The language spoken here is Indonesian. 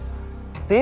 pukul tiga kali